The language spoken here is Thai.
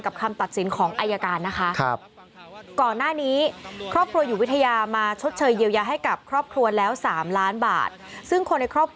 กับคำตัดสินของอายการนะคะครับ